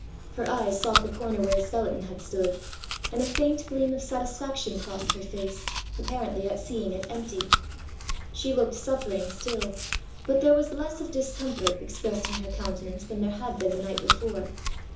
Her eyes sought the corner where the skeleton had stood, and a faint gleam of satisfaction crossed her face, apparently at seeing it empty. She looked suffering still, but there was less of discomfort expressed in her countenance than there had been the night before.